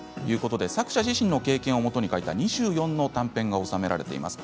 作者自身の経験をもとに書いた２４の短編が収められています。